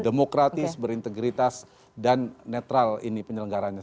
demokratis berintegritas dan netral ini penyelenggaranya